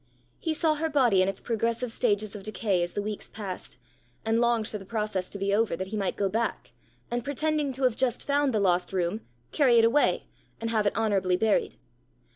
He saw her body in its progressive stages of decay as the weeks passed, and longed for the process to be over, that he might go back, and pretending to have just found the lost room, carry it away, and have it honourably buried!